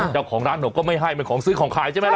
เจ้าของร้านบอกก็ไม่ให้เป็นของซื้อของขายใช่ไหมล่ะ